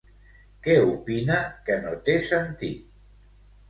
Què opina que no té sentit?